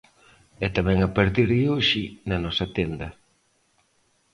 E tamén a partir de hoxe, na nosa tenda.